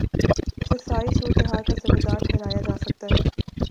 اسے ساری صورت حال کا ذمہ دار ٹھہرایا جا سکتا ہے۔